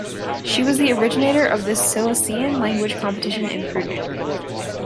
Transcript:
She was the originator of the Silesian Language Competition in Prudnik.